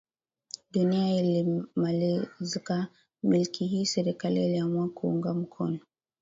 Dunia ilimaliza milki hii Serikali iliamua kuunga mkono